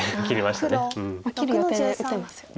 切る予定で打ってますよね。